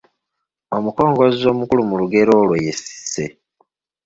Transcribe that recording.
omukongozzi omukulu mu lugero olwo ye Cissy.